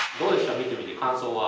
見てみて感想は。